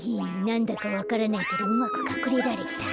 なんだかわからないけどうまくかくれられた。